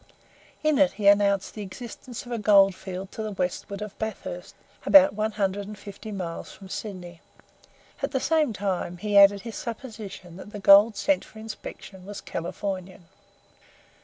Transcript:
In it he announced the existence of a gold field to the westward of Bathurst, about one hundred and fifty miles from Sydney. At the same time, he added his supposition that the gold sent for inspection was Califorian.